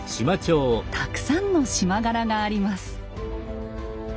たくさんの縞柄があります。